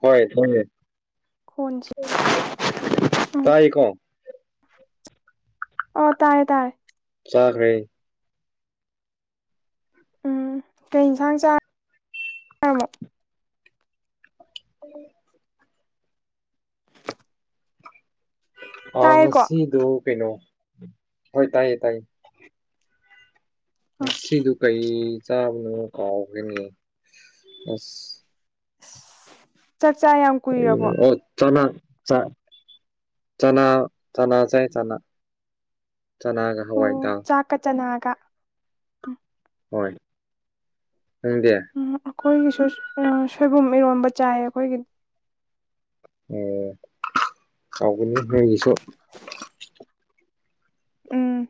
ꯍꯣꯏ [unintelligible] ꯐꯣꯟꯁꯦ [unintelligible] ꯎꯝ ꯇꯥꯏꯀꯣ [unintelligible] ꯑꯣ ꯇꯥꯔꯦ ꯇꯥꯔꯦ ꯆꯥꯈꯔꯦ ꯎꯝ ꯀꯩ ꯏꯟꯁꯥꯡ ꯆꯥ [unintelligible] ꯃꯣ [inaudible] ꯑ ꯇꯥꯏꯌꯦꯀꯣ ꯉꯁꯤꯗꯣ ꯀꯩꯅꯣ ꯍꯣꯏ ꯇꯥꯏꯌꯦ ꯇꯥꯏꯌꯦ ꯑꯥ ꯉꯁꯤꯗꯨ ꯀꯩ ꯆꯥꯕꯅꯣ ꯀꯥꯎꯈꯔꯦꯅꯦ ꯑꯁ ꯆꯥꯛꯆꯥ ꯌꯥꯝ ꯀꯩꯅꯣ ꯀꯨꯏꯔꯕꯣ ꯑꯣ ꯆꯅꯥ ꯆꯥ ꯆꯅꯥ ꯆꯅꯥ ꯆꯥꯏ ꯆꯅꯥ ꯆꯅꯥꯒ ꯑꯣ ꯍꯋꯥꯏꯗꯥꯜ ꯆꯥꯛꯀ ꯆꯅꯥꯒ ꯍꯣꯏ ꯅꯪꯗꯤ ꯎꯝ ꯑꯩꯈꯣꯏꯒꯤꯁꯨ ꯑꯥ ꯁꯣꯏꯕꯨꯝ ꯏꯔꯣꯝꯕ ꯆꯥꯏ ꯑꯩꯈꯣꯏꯒꯤ ꯑꯣ ꯍꯥꯎꯕꯅꯤ ꯅꯣꯏꯒꯤꯁꯨ [unintelligible] ꯎꯝ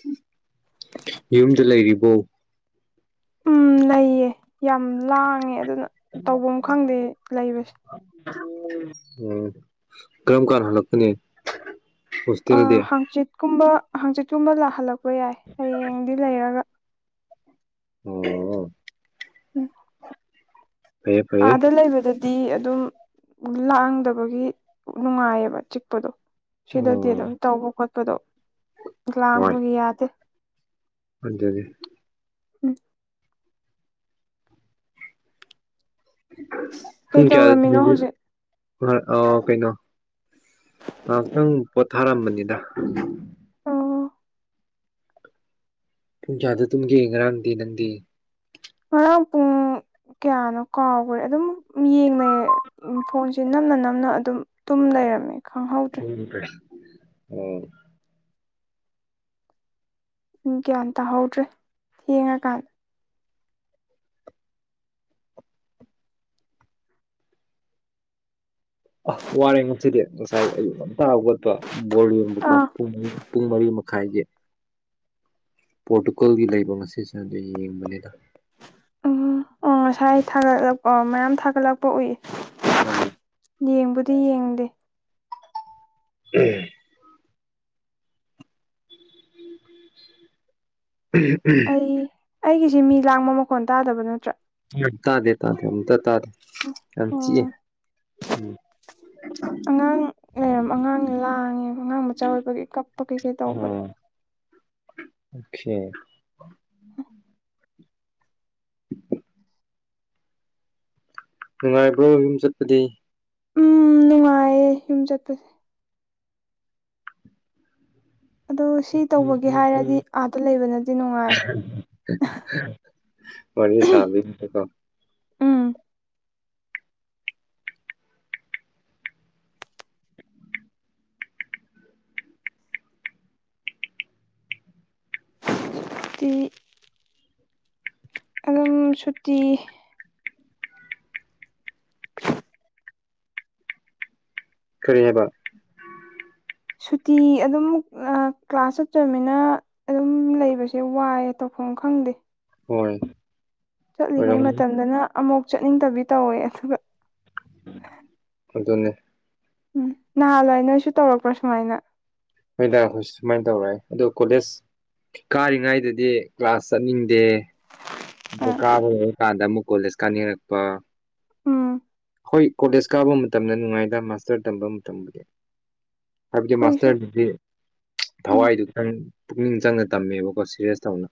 [unintelligible] ꯌꯨꯝꯗ ꯂꯩꯔꯤꯕꯣ ꯎꯝ ꯂꯩꯌꯦ ꯌꯥꯝ ꯂꯥꯡꯉꯦ ꯑꯗꯨꯅ ꯇꯧꯕꯝ ꯈꯪꯗꯦ ꯂꯩꯕꯁꯦ [unintelligible] ꯀꯔꯝ ꯀꯥꯟ ꯍꯂꯛꯀꯅꯤ [unintelligible] ꯑ ꯍꯥꯡꯆꯤꯠꯀꯨꯝꯕ ꯍꯥꯡꯆꯤꯠꯀꯨꯝꯕ ꯂꯥꯛꯍꯜꯂꯛꯄ ꯌꯥꯏ ꯍꯌꯦꯡꯗꯤ ꯂꯩꯔꯒ ꯑꯣ [unintelligible] ꯐꯩꯌꯦ ꯐꯩꯌꯦ ꯑꯥꯗ ꯂꯩꯕꯗꯗꯤ ꯑꯗꯨꯝ ꯂꯥꯛꯗꯕꯒꯤ ꯅꯨꯡꯉꯥꯏꯌꯦꯕ ꯆꯤꯛꯄꯗꯣ ꯁꯤꯗꯗꯤ ꯑꯣ ꯑꯗꯨꯝ ꯇꯧꯕ ꯈꯣꯠꯄꯗꯣ ꯍꯣꯏ ꯂꯥꯡꯕꯒꯤ ꯌꯥꯗꯦ [unintelligible] ꯎꯝ ꯄꯨꯡ ꯀꯌꯥꯗ ꯀꯩꯗꯧꯔꯝꯃꯤꯅꯣ ꯍꯧꯖꯤꯛ [unintelligible] ꯑꯣ ꯀꯩꯅꯣ ꯉꯥꯛꯇꯪ ꯄꯣꯊꯥꯔꯝꯕꯅꯤꯗ ꯑꯣ ꯄꯨꯡ ꯀꯌꯥꯗ ꯇꯨꯝꯒꯦ ꯉꯔꯥꯡꯗꯤ ꯅꯪꯗꯤ ꯉꯔꯥꯡ ꯄꯨꯡ ꯀꯌꯥꯅꯣ ꯀꯥꯎꯒ꯭ꯔꯦ ꯑꯗꯨꯝ ꯌꯦꯡꯅ ꯎꯝ ꯐꯣꯟꯁꯦ ꯅꯝꯅ ꯅꯝꯅ ꯑꯗꯨꯝ ꯇꯨꯝ ꯂꯩꯔꯝꯃꯦ ꯈꯪꯍꯧꯗ꯭ꯔꯦ [unintelligible] ꯒ꯭ꯌꯥꯟ ꯇꯥꯍꯧꯗ꯭ꯔꯦ ꯊꯦꯡꯉꯀꯥꯟꯗ ꯑ ꯋꯥꯔꯦ ꯉꯁꯤꯗꯤ ꯉꯁꯥꯏ ꯑꯌꯨꯛ ꯉꯟꯇꯥ ꯍꯧꯒꯠꯄ ꯕꯣꯜ ꯌꯦꯡꯕ ꯑꯥ ꯄꯨꯡ ꯃꯔꯤ ꯈꯥꯏꯒꯤ ꯄꯣꯔꯇꯨꯒꯜꯒꯤ ꯂꯩꯕ ꯉꯁꯤꯁꯤ ꯑꯗꯨꯒꯤ ꯌꯦꯡꯕꯅꯤꯗ ꯎꯝ ꯑꯣ ꯉꯁꯥꯏ ꯊꯥꯒꯠꯂꯛꯄ ꯃꯌꯥꯝ ꯊꯥꯒꯠꯂꯛꯄ ꯎꯏ ꯎꯝ ꯌꯦꯡꯕꯨꯗꯤ ꯌꯦꯡꯗꯦ ꯎꯝ ꯎꯝ ꯎꯝ ꯑꯩ ꯑꯩꯒꯤꯁꯤ ꯃꯤ ꯂꯥꯡꯕ ꯃꯈꯣꯟ ꯇꯥꯗꯕ ꯅꯠꯇ꯭ꯔ ꯇꯥꯗꯦ ꯇꯥꯗꯦ ꯑꯃꯇ ꯇꯥꯗꯦ ꯌꯥꯝ ꯆꯤꯛꯑꯦ ꯎꯝ ꯑꯉꯥꯡ ꯂꯩꯔꯝ ꯑꯉꯥꯡ ꯂꯥꯡꯉꯦꯕ ꯑꯉꯥꯡ ꯃꯆꯥ ꯑꯣꯏꯕꯒꯤ ꯀꯞꯄ ꯀꯩ ꯀꯩ ꯇꯧꯕꯗꯣ ꯑꯣ ꯑꯣꯀꯦ [inaudible] ꯅꯨꯡꯉꯥꯏꯕ꯭ꯔꯣ ꯌꯨꯝ ꯆꯠꯄꯗꯤ ꯎꯝ ꯅꯨꯡꯉꯥꯏꯌꯦ ꯌꯨꯝ ꯆꯠꯄꯁꯦ ꯑꯗꯣ ꯁꯤ ꯇꯧꯕꯒꯤ ꯍꯥꯏꯔꯗꯤ ꯑꯥꯗ ꯂꯩꯕꯅꯗꯤ ꯅꯨꯡꯉꯥꯏ ꯋꯥꯔꯤ ꯁꯥꯕꯒꯤꯀꯣ ꯎꯝ ꯗꯤ ꯑꯗꯨꯝ ꯁꯨꯇꯤ ꯀꯔꯤ ꯍꯥꯏꯕ ꯁꯨꯇꯤ ꯑꯗꯨꯝ ꯀ꯭ꯂꯥꯁ ꯆꯠꯇꯣꯏꯅꯤꯅ ꯑꯗꯨꯝ ꯂꯩꯕꯁꯦ ꯋꯥꯏꯑꯦ ꯇꯧꯐꯝ ꯈꯪꯗꯦ ꯍꯣꯏ ꯆꯠꯂꯤꯉꯩ ꯑꯣꯏꯔꯝꯒꯅꯤ ꯃꯇꯝꯗꯅ ꯑꯃꯨꯛ ꯆꯠꯅꯤꯡꯗꯕꯤ ꯇꯧꯋꯦ ꯑꯗꯨꯒ ꯑꯗꯨꯅꯦ ꯎꯝ ꯅꯍꯥꯟꯋꯥꯏ ꯅꯣꯏꯁꯨ ꯇꯧꯔꯛꯄ꯭ꯔ ꯁꯨꯃꯥꯏꯅ ꯍꯣꯏ ꯁꯨꯃꯥꯏꯅ ꯇꯧꯔꯛꯑꯦ ꯑꯗꯣ ꯀꯣꯂꯦꯖ ꯀꯥꯔꯤꯉꯩꯗꯗꯤ ꯀ꯭ꯂꯥꯁ ꯆꯠꯅꯤꯡꯗꯦ ꯑ ꯑꯥ ꯀꯥꯕ ꯂꯣꯏꯔ ꯀꯥꯟꯗ ꯑꯃꯨꯛ ꯀꯣꯂꯦꯖ ꯀꯥꯅꯤꯡꯉꯛꯄ ꯎꯝ ꯍꯣꯏ ꯀꯣꯂꯦꯖ ꯀꯥꯕ ꯃꯇꯝꯗ ꯅꯨꯡꯉꯥꯏꯗ ꯃꯥꯁꯇꯔ ꯇꯝꯕ ꯃꯇꯝꯕꯨꯗꯤ ꯍꯥꯏꯕꯗꯤ ꯑꯩꯈꯣꯏꯁꯨ ꯃꯥꯁꯇꯔꯗꯨꯗꯤ ꯎꯝ ꯊꯋꯥꯏꯗꯨ ꯈꯤꯇꯡ ꯄꯨꯛꯅꯤꯡ ꯆꯪꯅ ꯇꯝꯃꯦꯕꯀꯣ ꯁꯤꯔꯤꯌꯦꯁ ꯇꯧꯅ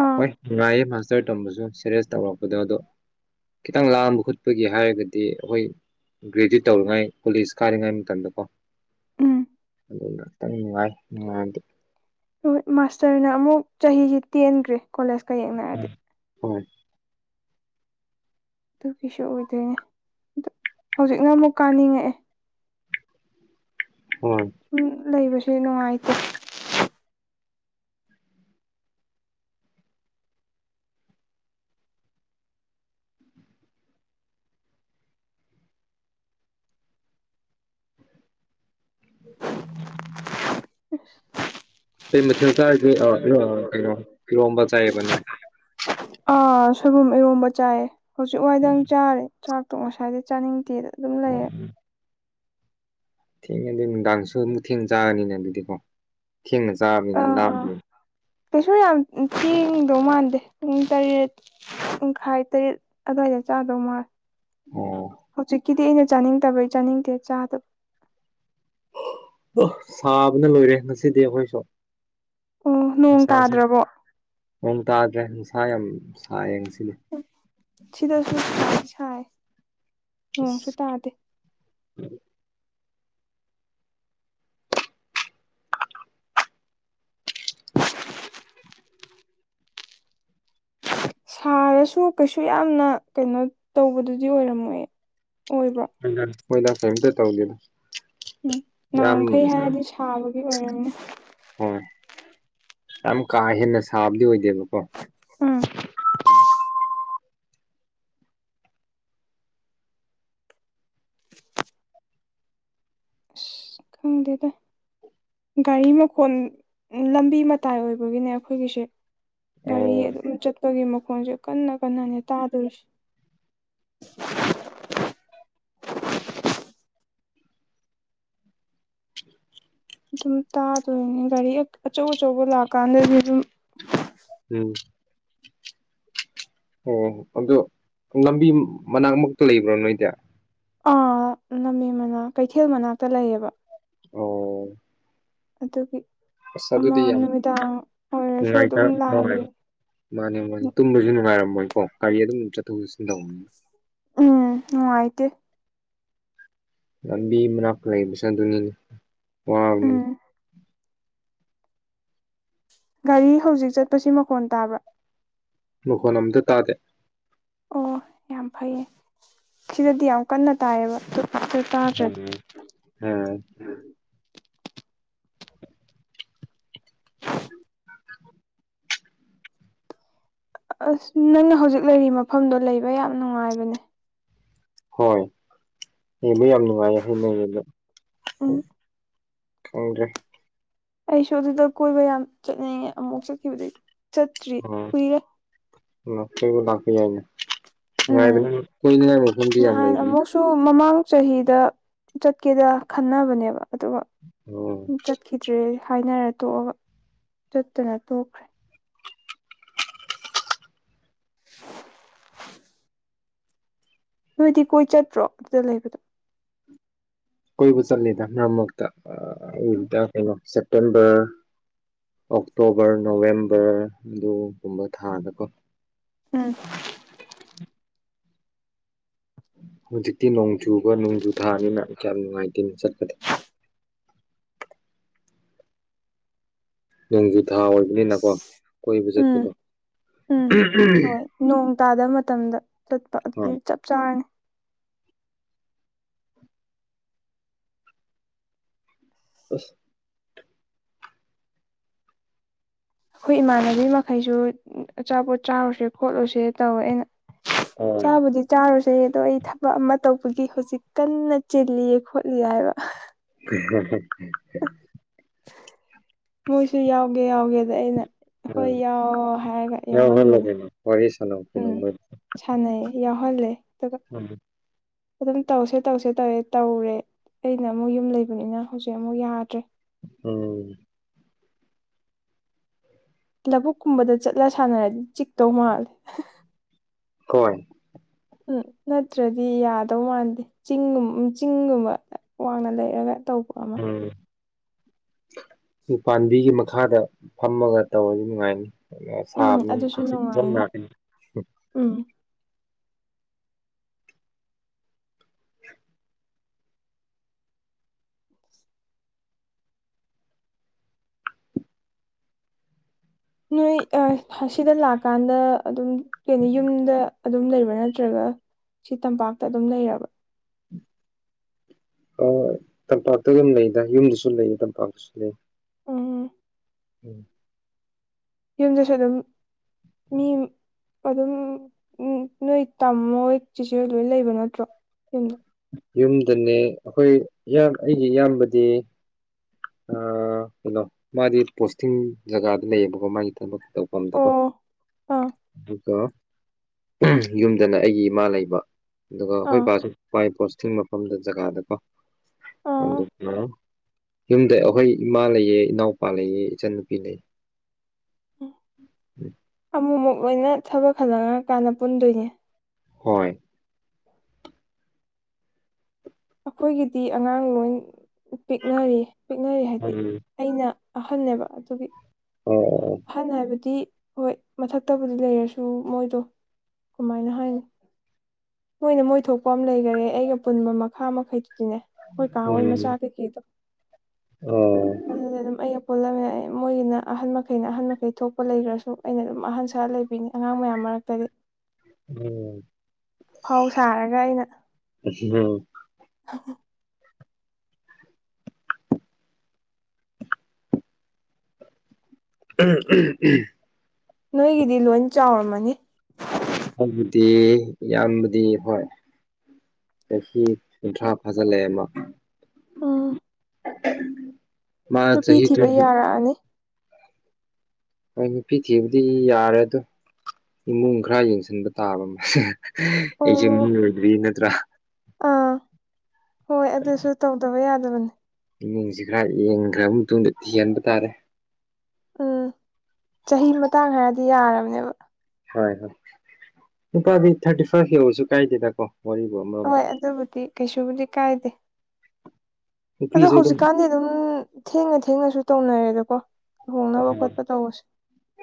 ꯑꯥ ꯍꯣꯏ ꯅꯨꯡꯉꯥꯏꯌꯦ ꯃꯥꯁꯇꯔ ꯇꯝꯕꯁꯨ ꯁꯦꯔꯦꯁ ꯇꯧꯔꯛꯄꯗꯣ ꯑꯗꯣ ꯈꯤꯇꯪ ꯂꯥꯡꯕ ꯈꯣꯠꯄꯒꯤ ꯍꯥꯏꯔꯒꯗꯤ ꯗꯤ ꯑꯩꯈꯣꯏ ꯒ꯭ꯔꯦꯖꯨꯑꯦꯠ ꯇꯧꯔꯤꯉꯥꯏ ꯀꯣꯂꯦꯖ ꯀꯥꯔꯤꯉꯩ ꯃꯇꯝꯗ ꯀꯣ ꯎꯝ ꯑꯗꯨꯅ ꯈꯤꯇꯡ ꯅꯨꯡꯉꯥꯏ ꯅꯨꯡꯉꯥꯏꯕꯕꯨꯗꯤ ꯍꯣꯏ ꯃꯥꯁꯇꯔꯅ ꯑꯃꯨꯛ ꯆꯍꯤꯁꯤ ꯇꯦꯟꯈ꯭ꯔꯦ ꯀꯣꯂꯦꯖꯀ ꯌꯦꯡꯅꯔꯗꯤ ꯍꯣꯏ ꯑꯗꯨꯒꯤꯁꯨ ꯑꯣꯏꯗꯣꯏꯅꯦ ꯑꯗꯨ ꯍꯧꯖꯤꯛꯅ ꯑꯃꯨꯛ ꯀꯥꯅꯤꯡꯉꯛꯑꯦ [inaudible] ꯍꯣꯏ ꯌꯨꯝ ꯂꯩꯕꯁꯦ ꯅꯨꯡꯉꯥꯏꯇꯦ [unintelligible] ꯀꯩ ꯃꯊꯦꯜ ꯆꯥꯔꯒꯦ ꯀꯩꯅꯣ ꯏꯔꯣꯝꯕ ꯆꯥꯏꯌꯦꯕ ꯅꯣꯏ ꯑꯥ ꯁꯣꯏꯕꯨꯝ ꯏꯔꯣꯝꯕ ꯆꯥꯏꯌꯦ ꯍꯧꯖꯤꯛ ꯋꯥꯏꯗꯪ ꯆꯥꯔꯦ ꯆꯥꯛꯇꯣ ꯉꯁꯥꯏꯗꯤ ꯆꯥꯅꯤꯡꯗꯦꯅ ꯎꯝ ꯊꯦꯡꯉꯗꯤꯅꯨꯡꯗꯥꯡꯁꯨ ꯑꯃꯨꯛ ꯊꯦꯡꯅ ꯆꯥꯔꯅꯤꯅꯦ ꯑꯗꯨꯗꯤꯀꯣ ꯊꯦꯡꯅ ꯆꯥꯔꯕꯅꯤꯅ ꯑꯥ [unintelligible] ꯀꯩꯁꯨ ꯌꯥꯝ ꯊꯦꯡꯗꯧ ꯃꯥꯟꯗꯦ ꯄꯨꯡ ꯇꯔꯦꯠ ꯄꯨꯡꯈꯥꯏ ꯇꯔꯦꯠ ꯑꯗꯨꯋꯥꯏꯗ ꯆꯥꯗꯧ ꯃꯥꯜꯂꯦ ꯑꯣ ꯍꯧꯖꯤꯛꯀꯤꯗꯤ ꯑꯩꯅ ꯆꯥꯅꯤꯡꯗꯕꯩ ꯆꯥꯅꯤꯡꯗꯦ ꯆꯥꯗꯕ ꯑꯥ ꯁꯥꯕꯅ ꯂꯣꯏꯔꯦ ꯉꯁꯤꯗꯤ ꯑꯩꯈꯣꯏꯁꯨ ꯑꯣ ꯅꯣꯡ ꯅꯨꯡꯁꯥꯁꯦ ꯇꯥꯗ꯭ꯔꯕꯣ ꯅꯣꯡ ꯇꯥꯗ꯭ꯔꯦ ꯅꯨꯡꯁꯥ ꯌꯥꯝ ꯁꯥꯏꯌꯦ ꯉꯁꯤꯗꯤ ꯍꯝ ꯁꯤꯗꯁꯨ ꯁꯥꯏ ꯅꯣꯡꯁꯨ ꯑꯁ ꯇꯥꯗꯦ ꯎꯝ ꯁꯥꯔꯁꯨ ꯀꯩꯁꯨ ꯌꯥꯝꯅ ꯀꯩꯅꯣ ꯇꯧꯕꯗꯨꯗꯤ ꯑꯣꯏꯔꯝꯃꯣꯏ ꯑꯣꯏꯕ꯭ꯔꯣ ꯍꯣꯏꯗ ꯀꯩꯝꯇ ꯇꯧꯗꯦꯗ ꯎꯝ ꯌꯥꯝ ꯅꯍꯥꯝꯈꯩ ꯍꯥꯏꯔꯗꯤ ꯁꯥꯕꯒꯤ ꯑꯣꯏꯔꯝꯅꯤ ꯍꯣꯏ ꯌꯥꯝ ꯀꯥ ꯍꯦꯟꯅ ꯁꯥꯕꯗꯤ ꯑꯣꯏꯗꯦꯕꯀꯣ ꯎꯝ ꯑꯁ ꯈꯪꯗꯦꯗ ꯒꯥꯔꯤ ꯃꯈꯣꯟ ꯂꯝꯕꯤ ꯃꯇꯥꯏ ꯑꯣꯏꯕꯒꯤꯅꯦ ꯑꯩꯈꯣꯏꯒꯤꯁꯦ ꯒꯥꯔꯤ ꯑꯣ ꯑꯗꯨꯝ ꯆꯠ ꯄꯒꯤ ꯃꯈꯣꯟꯁꯦ ꯀꯟꯅ ꯀꯟꯅꯅꯦ ꯇꯥꯗꯣꯢꯁꯤ ꯑꯗꯨꯝ ꯇꯥꯗꯣꯏꯅꯦ ꯒꯥꯔꯤ ꯍꯦꯛ ꯑꯆꯧ ꯑꯆꯧꯕ ꯂꯥꯛꯀꯥꯟꯗꯗꯤ ꯑꯗꯨꯝ ꯎꯝ ꯑꯣ ꯑꯗꯣ ꯂꯝꯕꯤ ꯃꯅꯥꯛ ꯃꯛꯇ ꯂꯩꯕ꯭ꯔꯣ ꯅꯣꯏꯗꯤ ꯑꯥ ꯂꯝꯕꯤ ꯃꯅꯥꯛ ꯀꯩꯊꯦꯜ ꯃꯅꯥꯛꯇ ꯂꯩꯑꯕ ꯑꯣ ꯑꯗꯨꯒꯤ ꯑꯁ ꯑꯃ ꯑꯗꯨꯗꯤ ꯌꯥꯝ ꯅꯨꯃꯤꯗꯥꯡ ꯑꯣꯏꯔꯁꯨ ꯅꯨꯡꯉꯥꯏꯇ ꯑꯗꯨꯝ ꯂꯥꯡꯕꯤ ꯍꯣꯏ ꯃꯥꯅꯦ ꯃꯥꯅꯦ ꯇꯨꯝꯕꯁꯨ ꯅꯨꯡꯉꯥꯏꯔꯝꯃꯣꯏꯀꯣ ꯒꯥꯔꯤ ꯑꯗꯨꯝ ꯆꯠꯊꯣꯛ ꯆꯠꯁꯤꯟ ꯇꯧꯕꯅꯤꯅ ꯎꯝ ꯅꯨꯡꯉꯥꯏꯇꯦ ꯂꯝꯕꯤ ꯃꯅꯥꯛꯇ ꯂꯩꯕꯁꯦ ꯑꯗꯨꯅꯤꯅꯦ ꯎꯝ ꯋꯕꯅꯤꯅꯦ ꯒꯥꯔꯤ ꯍꯧꯖꯤꯛ ꯆꯠꯄꯁꯤ ꯃꯀꯣꯟ ꯇꯥꯕ꯭ꯔꯥ ꯃꯨꯈꯣꯟ ꯑꯝꯇ ꯇꯗꯦ ꯑꯣ ꯌꯥꯝ ꯐꯩꯌꯦ ꯁꯤꯗꯗꯤ ꯌꯥꯝ ꯀꯟꯅ ꯇꯥꯏꯌꯦꯕ ꯑꯗꯨ ꯇꯥꯗ꯭ꯔꯗꯤ ꯎꯝ ꯑꯥ ꯑꯁ ꯅꯪꯅ ꯍꯧꯖꯤꯛ ꯂꯩꯔꯤꯕꯔꯤ ꯃꯐꯝꯗꯣ ꯂꯩꯕ ꯌꯥꯝ ꯅꯨꯡꯉꯥꯏꯕꯅꯦ ꯍꯣꯏ ꯌꯦꯡꯕ ꯌꯥꯝ ꯅꯨꯡꯉꯥꯏ ꯍꯥꯏꯩꯅꯔꯗ ꯎ ꯎꯝ [unintelligible] ꯑꯩꯁꯨ ꯑꯗꯨꯗ ꯀꯣꯏꯕ ꯌꯥꯝ ꯆꯠꯅꯤꯡꯉꯦ ꯑꯃꯨꯛ ꯆꯠꯈꯤꯕꯗꯤ ꯆꯠꯇ꯭ꯔꯤ ꯎꯝ ꯀꯨꯏꯔꯦ ꯀꯣꯏꯕ ꯂꯥꯛꯄ ꯌꯥꯏꯅꯦ ꯎꯝ ꯌꯥꯏꯗꯅ ꯀꯣꯏꯅꯤꯉꯥꯏ ꯃꯐꯝꯗꯤ ꯌꯥꯝ ꯂꯩꯕꯅꯦ ꯇꯣ ꯃꯃꯥꯡ ꯆꯍꯤꯗ ꯆꯠꯀꯦꯗ ꯈꯟꯅꯕꯅꯦꯕ ꯑꯗꯨꯒ ꯑꯣ ꯆꯠꯈꯤꯗ꯭ꯔꯦ ꯍꯥꯏꯅꯔ ꯇꯣꯛꯑꯒ ꯆꯠꯇꯅ ꯇꯣꯛꯈ꯭ꯔꯦ [inaudible] ꯅꯣꯏꯗꯤ ꯀꯣꯏ ꯆꯠꯇ꯭ꯔꯣ ꯑꯗꯨꯗ ꯂꯩꯕꯗꯣ ꯀꯣꯏꯕ ꯆꯠꯂꯦꯗ ꯃꯔꯛ ꯃꯔꯛꯇ ꯑꯥ ꯀꯩꯅꯣ ꯁꯦꯞꯇꯦꯝꯕꯔ ꯑꯣꯛꯇꯣꯕꯔ ꯅꯣꯕꯦꯝꯕꯔ ꯑꯗꯨꯒꯨꯝꯕ ꯊꯥꯗꯀꯣ ꯎꯝ ꯍꯧꯖꯤꯛꯇꯤ ꯅꯣꯡ ꯆꯨꯕ ꯅꯣꯡꯖꯨ ꯊꯥꯅꯤꯅ ꯀꯌꯥꯝ ꯅꯨꯡꯉꯥꯏꯇꯦꯅ ꯆꯠꯄꯗ꯫ ꯅꯣꯡꯖꯨ ꯊꯥ ꯑꯣꯏꯕꯅꯤꯅꯀꯣ ꯀꯣꯏꯕ ꯎꯝ ꯆꯠꯄꯗꯣ꯫ ꯎꯝ ꯍꯣꯏ ꯅꯣꯡ ꯇꯥꯗꯕ ꯃꯇꯝꯗ ꯆꯠꯄ ꯑꯗꯨꯗꯤ ꯑꯥ ꯆꯞ ꯆꯥꯔꯅꯤ꯫ ꯑꯁ꯫ ꯑꯈꯣꯏ ꯏꯃꯥꯟꯅꯕꯤ ꯃꯈꯩꯁꯨ ꯑꯆꯥꯄꯣꯠ ꯆꯥꯔꯨꯁꯦ ꯈꯣꯠꯂꯨꯁꯦ ꯇꯧꯋꯦ ꯑꯩꯅ ꯑꯥ ꯆꯥꯕꯨꯗꯤ ꯆꯥꯔꯨꯁꯦ ꯑꯗꯣ ꯑꯩ ꯊꯕꯛ ꯑꯃ ꯇꯧꯕꯒꯤ ꯍꯧꯖꯤꯛ ꯀꯟꯅ ꯆꯤꯜꯂꯤꯌꯦ ꯈꯣꯠꯂꯤ ꯍꯥꯏꯕ꯫ [inaudible] ꯃꯣꯏꯁꯨ ꯌꯥꯎꯒꯦ ꯌꯥꯎꯒꯦꯗ ꯑꯩꯅ ꯍꯣꯏ ꯌꯥꯎꯑꯣ ꯍꯥꯏꯔꯒ ꯌꯥꯎꯍꯜꯂꯣ ꯌꯥꯎꯍꯟꯕꯅꯦ ꯀꯩꯅꯣ ꯋꯥꯔꯤ ꯁꯥꯟꯅꯧ ꯀꯩꯅꯣ ꯎꯝ꯫ ꯃꯣꯏ ꯁꯥꯟꯅꯩ ꯌꯥꯎꯍꯜꯂꯦ ꯑꯗꯨꯒ꯫ ꯎꯝ꯫ ꯑꯗꯨꯝ ꯇꯧꯁꯦ ꯇꯧꯁꯦ ꯇꯧꯋꯦ ꯇꯧꯔꯦ ꯑꯩꯅ ꯑꯃꯨꯛ ꯌꯨꯝ ꯂꯩꯕꯅꯤꯅ ꯍꯧꯖꯤꯛ ꯑꯃꯨꯛ ꯌꯥꯗ꯭ꯔꯦ꯫ ꯎꯝ꯫ ꯂꯧꯕꯨꯛ ꯀꯨꯝꯕꯗ ꯆꯠꯂ ꯁꯥꯟꯅꯔꯗꯤ ꯆꯤꯛꯇꯧ ꯃꯥꯜꯂꯦ꯫ ꯍꯣꯏ꯫ ꯎꯝ ꯅꯠꯇ꯭ꯔꯗꯤ ꯌꯥꯗꯧ ꯃꯥꯟꯗꯦ꯫ ꯆꯤꯡꯒꯨꯝ ꯆꯤꯡꯒꯨꯝꯕ ꯋꯥꯡꯅ ꯂꯩꯔꯒ ꯇꯧꯕ꯫ ꯑꯃ ꯎꯝ ꯎ ꯄꯝꯕꯤꯒꯤ ꯃꯈꯥꯗ ꯐꯝꯃꯒ ꯇꯧꯔꯗꯤ ꯅꯨꯡꯉꯥꯏꯅꯤ꯫ ꯎꯝ ꯁꯔꯅꯝ ꯑꯗꯨꯁꯨ ꯅꯨꯡꯉꯥꯏꯅꯤ [unintelligible] ꯎꯝ꯫ [inaudible] ꯅꯣꯏ ꯑꯁꯤꯗ ꯂꯥꯛꯀꯥꯟꯗ ꯑꯗꯨꯝ ꯀꯅꯤ ꯌꯨꯝꯗ ꯑꯗꯨꯝ ꯂꯩꯕ꯭ꯔꯥ ꯅꯠꯇ꯭ꯔꯒ ꯁꯤ ꯇꯝꯄꯥꯛꯇ ꯑꯗꯨꯝ ꯂꯩꯔꯕ꯫ ꯑ ꯇꯝꯄꯥꯛꯇ ꯑꯗꯨꯝ ꯂꯩꯗ ꯌꯨꯝꯗꯁꯨ ꯂꯩꯌꯦ ꯇꯝꯄꯥꯛꯇꯁꯨ ꯂꯩ꯫ ꯎꯝ꯫ ꯎꯝ꯫ ꯌꯨꯝꯗꯁꯨ ꯑꯗꯨꯝ ꯃꯤ ꯑꯗꯨꯝ ꯅꯣꯏ ꯇꯝꯃꯍꯣꯏ ꯆꯦꯆꯦꯍꯣꯏ ꯂꯣꯏ ꯂꯩꯕ ꯅꯠꯇ꯭ꯔꯣ ꯌꯨꯝꯗ꯫ ꯌꯨꯝꯗꯅꯦ ꯑꯩꯈꯣꯏ ꯑꯩꯒꯤ ꯏꯌꯥꯝꯕꯗꯤ ꯀꯩꯅꯣ ꯃꯥꯗꯤ ꯄꯣꯁꯇꯤꯡ ꯖꯒꯥꯗ ꯂꯩꯌꯦꯕꯀꯣ ꯃꯥꯒꯤ ꯊꯕꯛ ꯇꯧꯐꯝꯗꯕꯣ ꯑꯣ ꯑꯥ ꯑꯗꯨꯒ ꯌꯨꯝꯗꯅ ꯑꯩꯒꯤ ꯏꯃꯥ ꯂꯩꯕ ꯑꯗꯨꯒ ꯑꯩꯈꯣꯏ ꯑꯥ ꯏꯄꯥꯁꯨ ꯃꯥꯏ ꯄꯣꯁꯇꯤꯡ ꯃꯐꯝꯗ ꯖꯒꯥꯗꯀꯣ ꯑꯥ ꯑꯗꯨꯅ ꯌꯨꯝꯗ ꯑꯩꯈꯣꯏ ꯏꯃꯥ ꯂꯩꯌꯦ ꯏꯅꯥꯎꯄꯥ ꯂꯩꯌꯦ ꯏꯆꯟꯅꯨꯄꯤ ꯂꯩꯌꯦ꯫ ꯎꯝ ꯑꯃꯨꯛꯃꯨꯛ ꯂꯣꯏꯅ ꯊꯕꯛ ꯍꯟꯅꯔꯛꯑ ꯀꯥꯟꯗ ꯄꯨꯟꯗꯣꯏꯅꯦ꯫ ꯍꯣꯏ꯫ ꯑꯈꯣꯏꯒꯤꯗꯤ ꯑꯉꯥꯡ ꯂꯣꯏ ꯄꯤꯛꯅꯔꯤ ꯄꯤꯛꯅꯔꯤ ꯍꯥꯏꯗꯤ ꯎꯝ ꯑꯩꯅ ꯑꯍꯅꯦꯕ ꯑꯗꯨꯒꯤ꯫ ꯑꯣ ꯑꯣ ꯑꯣ꯫ ꯑꯍꯟ ꯍꯥꯏꯕꯗꯤ ꯍꯣꯏ ꯃꯊꯛꯇꯕꯨꯗꯤ ꯂꯩꯔꯁꯨ ꯃꯣꯏꯗꯣ ꯀꯃꯥꯏꯅ ꯍꯥꯏꯅꯤ ꯃꯣꯏꯅ ꯃꯣꯏ ꯊꯣꯛꯄ ꯑꯃ ꯂꯩꯒꯥꯔꯦ ꯑꯩꯒ ꯄꯨꯟꯕ ꯃꯈꯥ ꯃꯈꯩꯗꯨꯗꯤꯅꯦ ꯑꯩꯍꯣꯏ ꯀꯥ ꯍꯣꯏ ꯎꯝ ꯃꯆꯥ ꯀꯩꯀꯩꯗꯣ ꯑꯣ ꯑꯗꯨ ꯄꯨꯜꯂꯦ ꯑꯗꯨꯝ ꯑꯩ ꯄꯨꯜꯂꯝꯃꯦ ꯑꯩ ꯃꯣꯏꯒꯤꯅ ꯑꯍꯜ ꯃꯛ ꯃꯈꯩꯅ ꯑꯍꯟ ꯃꯈꯩ ꯊꯣꯛꯄ ꯂꯩꯒ꯭ꯔꯁꯨ ꯑꯩꯅ ꯑꯗꯨꯝ ꯑꯍꯟ ꯁꯥꯔꯥ ꯂꯩꯕꯤꯅꯤ ꯑꯉꯥꯡ ꯃꯌꯥꯝ ꯃꯔꯛꯇꯗꯤ ꯎꯝ ꯐꯥꯎ ꯁꯥꯔꯒ ꯑꯩꯅ ꯎꯝ ꯎꯝ ꯎꯝ ꯎꯝ ꯅꯣꯏꯒꯤꯗꯤ ꯂꯣꯏ ꯆꯥꯎꯔꯝꯃꯅꯤ ꯑꯩꯒꯤꯗꯦ ꯌꯝꯕꯗꯤ ꯍꯣꯏ ꯆꯍꯤ ꯀꯨꯟꯊ꯭ꯔꯥ ꯐꯥꯖꯤꯜꯂꯛꯑꯦ ꯑꯃ ꯎꯝ ꯅꯨꯄꯤ ꯆꯍꯤ ꯊꯤꯕ ꯇ꯭ꯋꯦꯟꯇꯤ ꯌꯥꯔꯛꯑꯅꯤ ꯍꯣꯏ ꯅꯨꯄꯤ ꯊꯤꯕꯗꯤ ꯌꯥꯔꯦ ꯑꯗꯣ ꯏꯃꯨꯡ ꯈꯔ ꯌꯦꯡꯁꯤꯟꯕ ꯇꯥꯕ ꯃꯥ ꯑꯩꯁꯦ ꯑꯣ ꯃꯤꯅ ꯑꯣꯏꯗꯣꯏꯅꯤ ꯅꯠꯇ꯭ꯔꯥ ꯑꯥ ꯍꯣꯏ ꯑꯗꯨꯁꯨ ꯇꯧꯗꯕ ꯌꯥꯗꯕꯅꯤ ꯏꯃꯨꯡꯁꯤ ꯈꯔ ꯌꯦꯡꯈ꯭ꯔꯕ ꯃꯇꯨꯡꯗ ꯊꯤꯍꯟꯕ ꯇꯥꯔꯦ ꯎꯝ ꯆꯍꯤ ꯃꯇꯥꯡ ꯍꯥꯏꯔꯗꯤ ꯌꯥꯔꯕꯅꯦꯕ ꯍꯣꯏ ꯍꯣꯏ ꯅꯨꯨꯄꯥꯗꯤ ꯊꯥꯔꯇꯤ ꯐꯥꯏꯚ ꯌꯧꯔꯁꯨ ꯀꯥꯏꯗꯦꯗꯀꯣ ꯋꯥꯔꯤꯕꯨ ꯍꯣꯏ ꯑꯃꯔꯣꯝꯗ ꯑꯗꯨꯕꯨꯗꯤ ꯀꯩꯁꯨꯕꯨꯗꯤ ꯀꯥꯏꯗꯦ ꯑꯗꯣ ꯍꯧꯖꯤꯛꯀꯥꯟꯗꯤ ꯑꯗꯨꯝ ꯊꯦꯡꯅ ꯊꯦꯡꯅꯁꯨ ꯇꯧꯅꯔꯦꯗꯀꯣ ꯂꯨꯍꯣꯡꯅꯕ ꯈꯣꯠꯄ ꯇꯧꯔꯁꯨ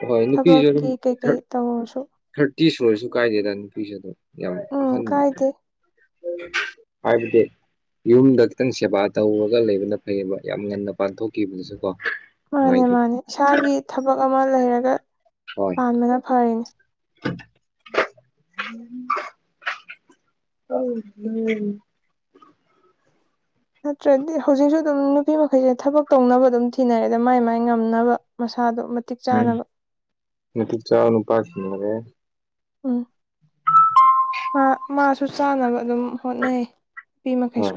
ꯍꯣꯏ ꯅꯨꯄꯤꯁꯨ ꯑꯗꯨꯝ ꯊꯕꯛꯀꯤ ꯀꯩꯀꯩ ꯇꯧꯔꯁꯨ ꯊꯥꯔꯇꯤ ꯁꯨꯔꯁꯨ ꯀꯥꯏꯗꯦꯗ ꯅꯨꯄꯤꯁꯦ ꯑꯗꯨꯝ ꯌꯥꯝ ꯎꯝ ꯑꯍꯟ ꯀꯥꯏꯗꯦ ꯍꯥꯏꯕꯗꯦ ꯌꯨꯝꯗ ꯈꯤꯇꯪ ꯁꯦꯕꯥ ꯇꯧꯔꯒ ꯂꯩꯕꯅ ꯐꯩꯌꯦꯕ ꯌꯥꯝ ꯉꯟꯅ ꯄꯥꯟꯊꯣꯛꯈꯤꯕꯗꯨꯁꯨ ꯀꯣ ꯃꯥꯅꯦ ꯅꯨꯡꯉꯥꯏꯇꯦ ꯃꯥꯅꯦ ꯏꯁꯥꯒꯤ ꯊꯕꯛ ꯑꯃ ꯂꯩꯔꯒ ꯍꯣꯏ ꯄꯥꯟꯕꯅ ꯐꯔꯤꯅꯦ [unintelligible] ꯅꯠꯇ꯭ꯔꯗꯤ ꯍꯧꯖꯤꯛꯁꯨ ꯑꯗꯨꯝ ꯅꯨꯄꯤ ꯃꯈꯩꯁꯦ ꯊꯕꯛ ꯇꯧꯅꯕ ꯑꯗꯨꯝ ꯊꯤꯅꯔꯦꯗ ꯃꯥꯏ ꯃꯥꯏ ꯉꯝꯅꯕ ꯃꯁꯥꯗꯣ ꯃꯇꯤꯛ ꯎꯝ ꯆꯥꯅꯕ ꯃꯇꯤꯛ ꯆꯥꯕꯥ ꯅꯨꯄꯥ ꯊꯤꯔꯨꯕꯅꯦ ꯎꯝ ꯃꯥ ꯃꯥꯁꯨ ꯆꯥꯅꯕ ꯑꯗꯨꯝ ꯍꯣꯠꯅꯩꯌꯦ ꯅꯨꯄꯤ ꯍꯣꯏ ꯃꯈꯩꯁꯨ